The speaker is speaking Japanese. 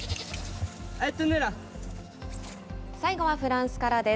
最後はフランスからです。